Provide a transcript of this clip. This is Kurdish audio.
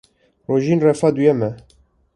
Rojîn refa duyem e.